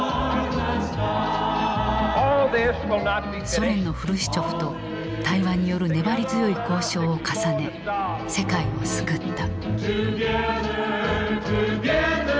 ソ連のフルシチョフと対話による粘り強い交渉を重ね世界を救った。